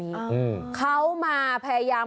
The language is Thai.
พี่เลอศักดิ์สุขสูงแห่งหนึ่งอำเภอพระประการ